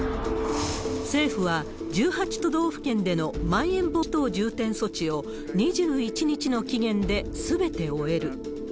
政府は、１８都道府県でのまん延防止等重点措置を２１日の期限ですべて終える。